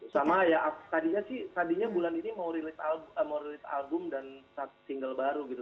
sama ya tadinya bulan ini mau rilis album dan single baru gitu